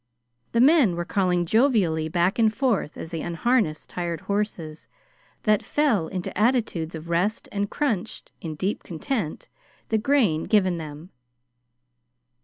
The men were calling jovially back and forth as they unharnessed tired horses that fell into attitudes of rest and crunched, in deep content, the grain given them.